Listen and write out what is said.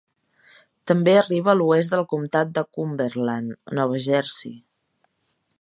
També arriba a l'oest del comtat de Cumberland, Nova Jersey.